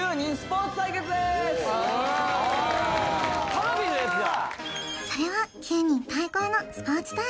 Ｐａｒａｖｉのやつだ